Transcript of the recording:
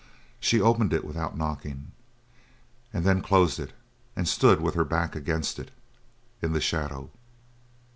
She opened it without knocking, and then closed it and stood with her back against it, in the shadow.